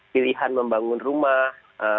pilihan membangun rumah